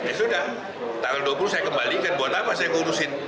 ya sudah tanggal dua puluh saya kembalikan buat apa saya ngurusin